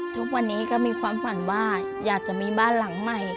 ทุกวันนี้ก็มีความฝันว่าอยากจะมีบ้านหลังใหม่